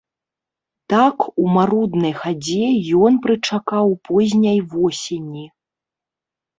Так, у маруднай хадзе, ён прычакаў позняй восені.